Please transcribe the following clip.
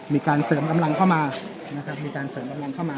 มีการเสริมกำลังเข้ามานะครับมีการเสริมกำลังเข้ามา